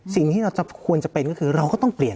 สิ่งที่เราจะควรจะเป็นก็คือเราก็ต้องเปลี่ยน